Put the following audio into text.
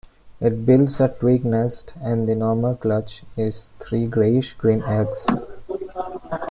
It builds a twig nest and the normal clutch is three greyish-green eggs.